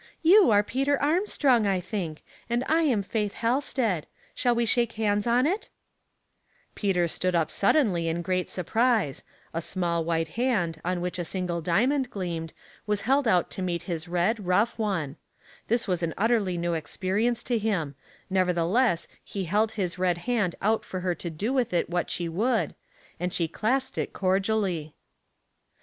" You are Peter Armstrong, I think, and I am Faith Halsted. Shall we shake hands on it ?" 204 . Household Puzzles, Peter stood up suddenly in great surprise a small wliite hand, on which a single diamond gleamed, was held out to meet his red, rough one ; this was an utterly new experience to him, nevertheless he held his red hand out for her to do with it what she would, and she clasped it cordially.